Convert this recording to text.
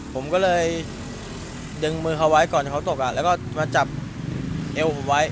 ผมก็เลยดึงมือเขาไว้ก่อนที่เขาตกแล้วก็มาจับเอวผมไว้